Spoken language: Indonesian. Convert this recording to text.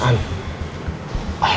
dia punya perasaan